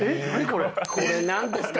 これ何ですか？